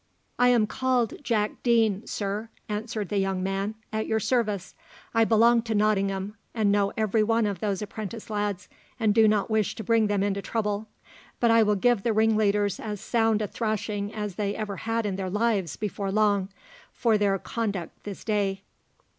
"I am called Jack Deane, sir," answered the young man, "at your service. I belong to Nottingham, and know every one of those apprentice lads, and do not wish to bring them into trouble; but I will give the ringleaders as sound a thrashing as they ever had in their lives before long, for their conduct this day."